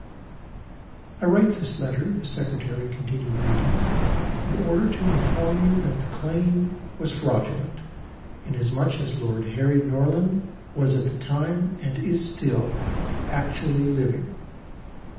"I write this letter," the Secretary continued reading, "in order to inform you that the claim was fraudulent, inasmuch as Lord Harry Norland was at the time, and is still, actually living."